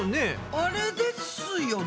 あれですよね？